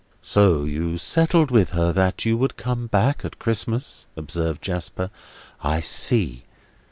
"So, you settled with her that you would come back at Christmas?" observed Jasper. "I see!